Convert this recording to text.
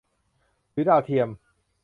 หรือดาวเทียม